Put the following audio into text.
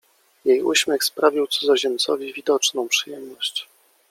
Jej uśmiech sprawił cudzoziemcowi widoczną przyjemność.